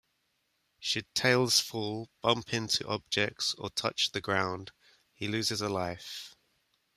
Should Tails fall, bump into objects or touch the ground, he loses a life.